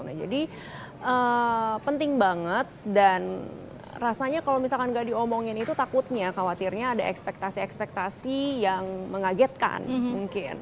nah jadi penting banget dan rasanya kalau misalkan nggak diomongin itu takutnya khawatirnya ada ekspektasi ekspektasi yang mengagetkan mungkin